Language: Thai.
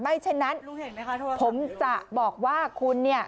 เช่นนั้นผมจะบอกว่าคุณเนี่ย